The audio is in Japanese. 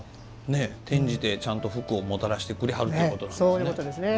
転じて、ちゃんと福をもたらしてくれはるんですね。